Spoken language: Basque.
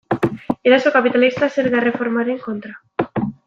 Eraso kapitalista zerga erreformaren kontra.